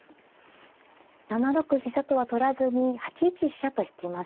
７六飛車とは取らずに８一飛車と引きました。